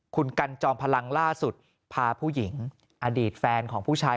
คุณกันจอมพลังล่าสุดพาผู้หญิงอดีตแฟนของผู้ชาย